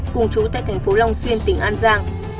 cùng chú tại tp long xuyên tỉnh an giang